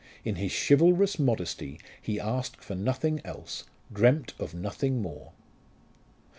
In his chivalrous modesty he asked for nothing else, dreamt of nothing more.